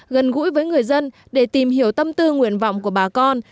gần gũi với người dân để tìm hiểu tâm tư nguyện vọng của bà con